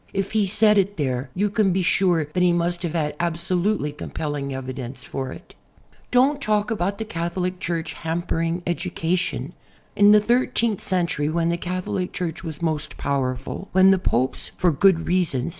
If he said it there you can be sure that he must have had absolutely compelling evidence for it. Don't talk about the Catholic Church "hamjiering educa tion." In the thirteenth century, when the Catholic Church was most powerful, when the Popes for good reasons.